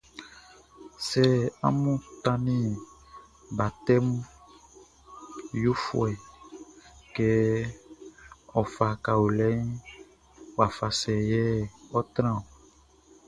Sɛ amun tannin batɛmun yofuɛʼn kɛ ɔ fa kaolinʼn, wafa sɛ yɛ ɔ́ trán ɔn?